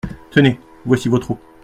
Tenez, voici votre eau.